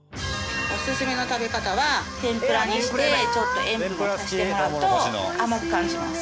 オススメの食べ方は天ぷらにしてちょっと塩分を足してもらうと甘く感じます。